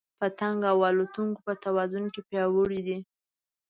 پتنګ او الوتونکي په توازن کې پیاوړي دي.